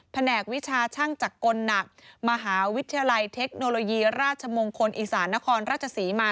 แหนกวิชาช่างจักรหนักมหาวิทยาลัยเทคโนโลยีราชมงคลอีสานนครราชศรีมา